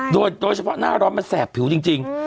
โดยเฉพาะหน้าร้อนมันแสบผิวจริง